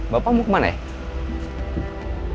bapak mau kemana ya